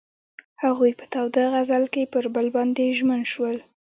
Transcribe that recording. هغوی په تاوده غزل کې پر بل باندې ژمن شول.